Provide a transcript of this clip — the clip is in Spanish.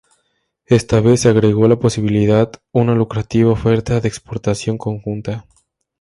Esta vez se agregó la posibilidad una lucrativa oferta de exportación conjunta.